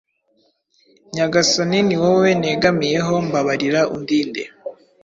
Nyagasani ni wowe negamiyeho mbabarira undinde